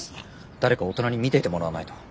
誰か大人に見ていてもらわないと。